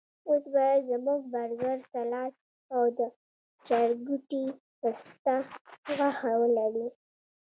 اوس باید زموږ برګر، سلاد او د چرګوټي پسته غوښه ولري.